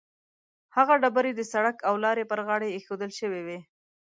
هغه ډبرې د سړک او لارې پر غاړه ایښودل شوې وي.